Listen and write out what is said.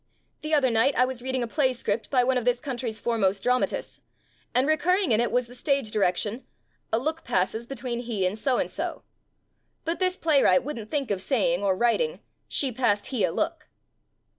The other night I was read ing a play script by one of this coun try's foremost dramatists; and recur ring in it was the stage direction, "A look passes between he and So and So." But this playwright wouldn't think of saying or writing, "She passed he a look."